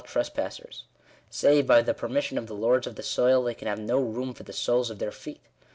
115 trespassers. Save by the permission of the lords of the soil, they can have bo room for the soles of their feet.